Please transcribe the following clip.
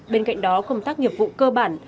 bên cạnh đó công tác nghiệp vụ cơ bản